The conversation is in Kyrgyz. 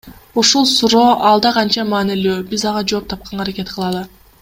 Ушул суроо алда канча маанилүү, биз ага жооп тапканга аракет кылалы.